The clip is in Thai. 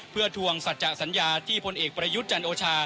เพื่อทวงสัจจะสัญญาที่พลเอกประยุทธ์จันโอชา